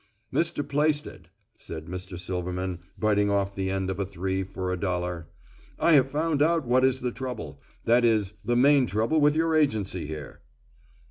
"Mr. Plaisted," said Mr. Silverman, biting off the end of a three for a dollar, "I have found out what is the trouble, that is, the main trouble with your agency here."